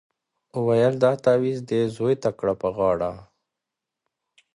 ویل دا تعویذ دي زوی ته کړه په غاړه